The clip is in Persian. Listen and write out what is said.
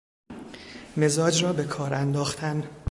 مزاج را بکار انداختن